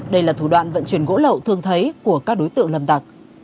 đây là thủ đoạn vận chuyển gỗ lậu thường thấy của các đối tượng lâm tặc